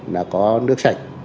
là có nước sạch